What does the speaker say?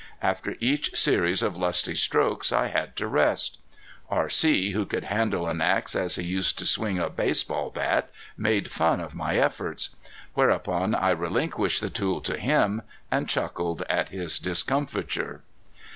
After each series of lusty strokes I had to rest. R.C., who could handle an axe as he used to swing a baseball bat, made fun of my efforts. Whereupon I relinquished the tool to him, and chuckled at his discomfiture.